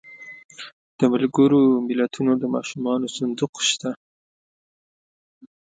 د ملګرو ملتونو د ماشومانو صندوق شته.